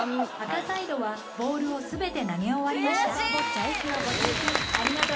赤サイドはボールを全て投げ終わりました。